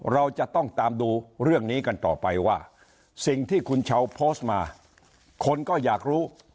เราจะต้องตามดูเรื่องนี้กันต่อไปว่าสิ่งที่คุณเช้าโพสต์มาคนก็อยากรู้